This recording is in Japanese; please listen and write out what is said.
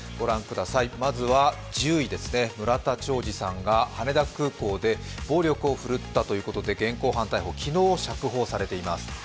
まずは１０位です、村田兆治さんが羽田空港で暴力を振るったということで現行犯逮捕、昨日、釈放されています。